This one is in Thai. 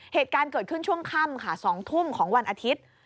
เหตุการณ์เกิดขึ้นช่วงค่ำค่ะ๒ทุ่มของวันอาทิตย์